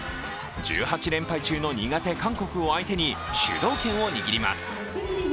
１８連敗中の苦手・韓国を相手に主導権を握ります。